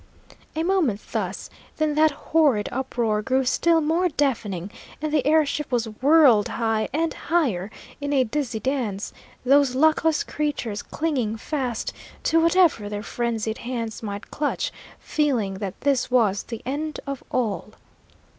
A moment thus, then that horrid uproar grew still more deafening, and the air ship was whirled high and higher, in a dizzy dance, those luckless creatures clinging fast to whatever their frenzied hands might clutch, feeling that this was the end of all.